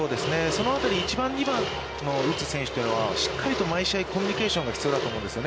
そのあたり、１番、２番打つ選手というのは、しっかりと毎試合、コミュニケーションが必要だと思いますよ。